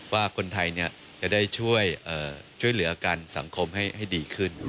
ว่าคนไทยจะได้ช่วยเหลือกันสังคมให้ดีขึ้น